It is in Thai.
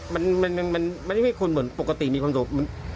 มันไม่คุณเหมือนปกติมีความสุข